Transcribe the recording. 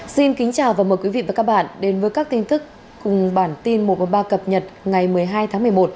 xin kính chào và mời quý vị và các bạn đến với các tin tức cùng bản tin một trăm một mươi ba cập nhật ngày một mươi hai tháng một mươi một